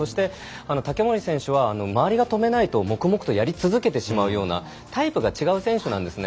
竹守選手は周りが止めないと黙々とやり続けてしまうようなタイプが違う選手なんですね。